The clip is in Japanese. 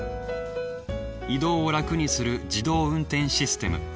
移動を楽にする自動運転システム。